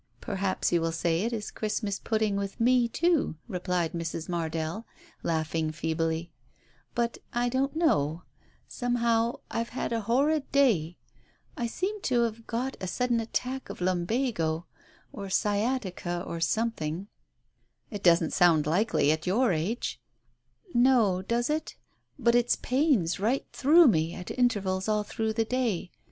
" "Perhaps you'll say it is Christmas pudding with Digitized by Google THE OPERATION 59 me too," replied Mrs. Mardell, laughing feebly. "But I don't know — somehow, I've had a horrid day. I seem to have got a sudden attack of lumbago, or sciatica or something." "It doesn't sound likely, at your age." "No, does it? But it's pains right through me at intervals all through the day.